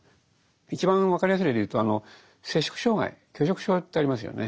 一番分かりやすい例でいうと摂食障害拒食症ってありますよね。